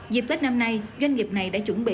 dịp tết năm nay doanh nghiệp này đã chuẩn bị